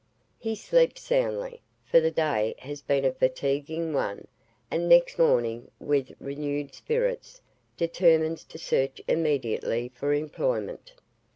He sleeps soundly, for the day has been a fatiguing one, and next morning with renewed spirits determines to search immediately for employment.